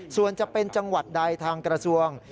ส่วนจะเป็นจังหวัดใดทางกระทรวง